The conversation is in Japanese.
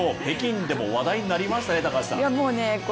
北京でも話題になりましたね。